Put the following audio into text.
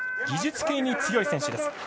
技術系に強い選手です。